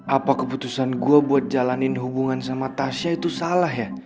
apa keputusan gue buat jalanin hubungan sama tasya itu salah ya